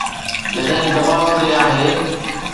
جڏهن دٻاء تي آهي.